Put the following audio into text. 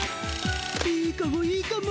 いいかもいいかも。